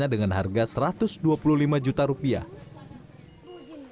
sapi ini telah dirawat pemiliknya sejak tujuh tahun lalu